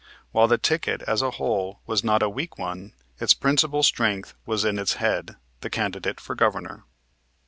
While the ticket, as a whole, was not a weak one, its principal strength was in its head, the candidate for Governor.